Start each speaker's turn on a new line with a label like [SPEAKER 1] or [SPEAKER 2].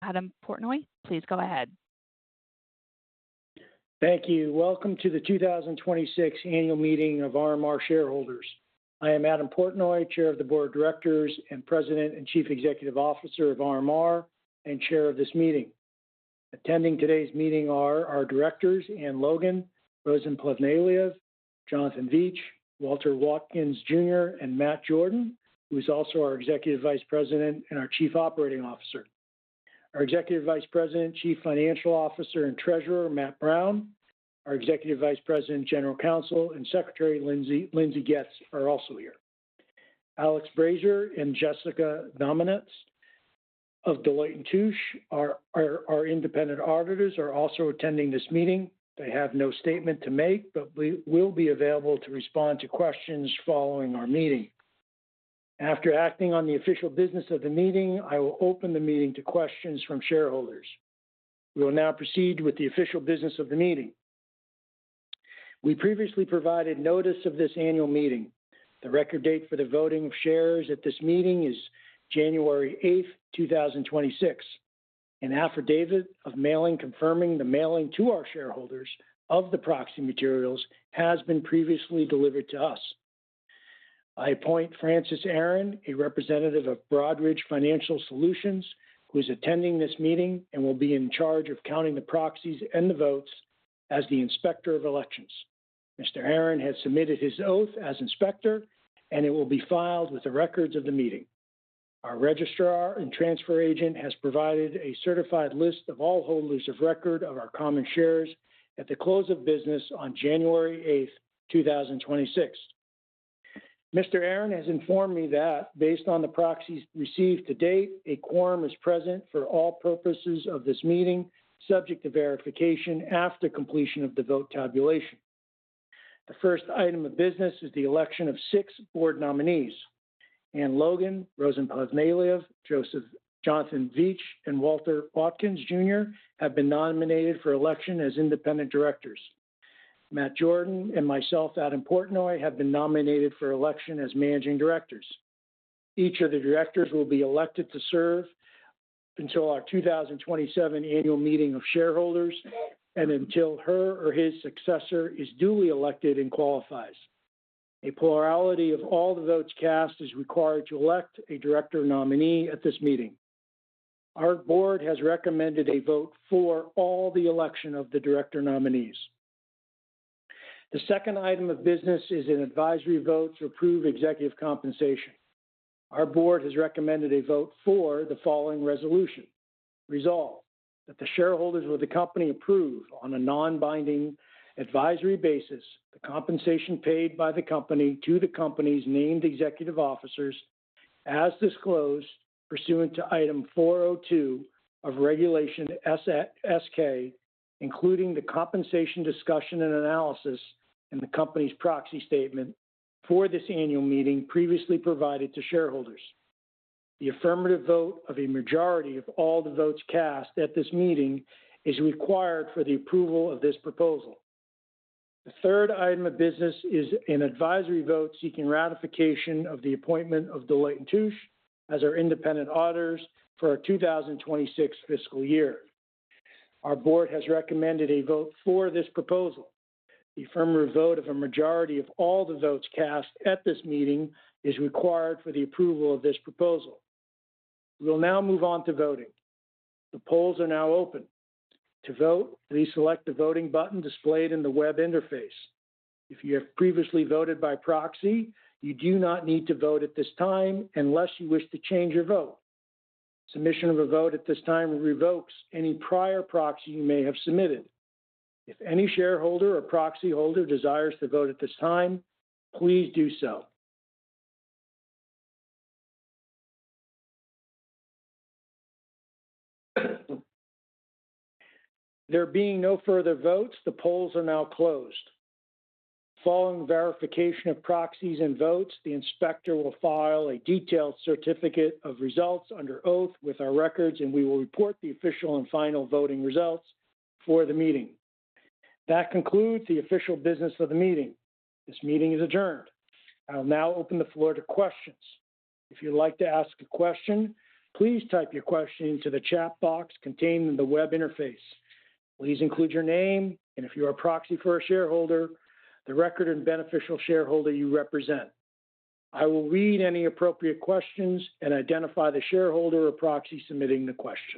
[SPEAKER 1] Adam Portnoy, please go ahead.
[SPEAKER 2] Thank you. Welcome to the 2026 annual meeting of RMR shareholders. I am Adam Portnoy, Chair of the Board of Directors and President and Chief Executive Officer of RMR and chair of this meeting. Attending today's meeting are our directors, Ann Logan, Rosen Plevneliev, Jonathan Veitch, Walter C. Watkins, Jr., and Matt Jordan, who is also our Executive Vice President and our Chief Operating Officer. Our Executive Vice President, Chief Financial Officer, and Treasurer, Matt Brown, our Executive Vice President, General Counsel and Secretary, Lindsey Getz, are also here. Alex Brazier and Jessica Dominance of Deloitte & Touche, our independent auditors, are also attending this meeting. They have no statement to make, but will be available to respond to questions following our meeting. After acting on the official business of the meeting, I will open the meeting to questions from shareholders. We will now proceed with the official business of the meeting. We previously provided notice of this annual meeting. The record date for the voting of shares at this meeting is January eighth, two thousand twenty-six. An affidavit of mailing confirming the mailing to our shareholders of the proxy materials has been previously delivered to us. I appoint Francis Aaron, a representative of Broadridge Financial Solutions, who is attending this meeting and will be in charge of counting the proxies and the votes as the Inspector of Elections. Mr. Aaron has submitted his oath as Inspector, and it will be filed with the records of the meeting. Our Registrar and Transfer Agent has provided a certified list of all holders of record of our common shares at the close of business on January eighth, two thousand twenty-six. Mr. Aaron has informed me that based on the proxies received to date, a quorum is present for all purposes of this meeting, subject to verification after completion of the vote tabulation. The first item of business is the election of six board nominees. Ann Logan, Rosen Plevneliev, Jonathan Veitch, and Walter Watkins Jr. have been nominated for election as independent directors. Matt Jordan and myself, Adam Portnoy, have been nominated for election as managing directors. Each of the directors will be elected to serve until our 2027 annual meeting of shareholders and until her or his successor is duly elected and qualifies. A plurality of all the votes cast is required to elect a director nominee at this meeting. Our board has recommended a vote for all the election of the director nominees. The second item of business is an advisory vote to approve executive compensation. Our board has recommended a vote for the following resolution. Resolved, That the shareholders of the company approve on a non-binding advisory basis the compensation paid by the company to the company's named executive officers, as disclosed pursuant to Item 402 of Regulation S-K, including the compensation discussion and analysis in the company's proxy statement for this annual meeting previously provided to shareholders. The affirmative vote of a majority of all the votes cast at this meeting is required for the approval of this proposal. The third item of business is an advisory vote seeking ratification of the appointment of Deloitte & Touche as our independent auditors for our 2026 fiscal year. Our board has recommended a vote for this proposal. The affirmative vote of a majority of all the votes cast at this meeting is required for the approval of this proposal. We will now move on to voting. The polls are now open. To vote, please select the voting button displayed in the web interface. If you have previously voted by proxy, you do not need to vote at this time unless you wish to change your vote. Submission of a vote at this time revokes any prior proxy you may have submitted. If any shareholder or proxy holder desires to vote at this time, please do so. There being no further votes, the polls are now closed. Following verification of proxies and votes, the Inspector will file a detailed certificate of results under oath with our records, and we will report the official and final voting results for the meeting. That concludes the official business of the meeting. This meeting is adjourned. I will now open the floor to questions. If you'd like to ask a question, please type your question into the chat box contained in the web interface. Please include your name and, if you're a proxy for a shareholder, the record and beneficial shareholder you represent. I will read any appropriate questions and identify the shareholder or proxy submitting the question.